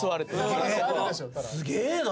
すげえな。